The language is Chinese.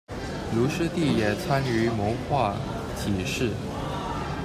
卢师谛也参与谋划此事。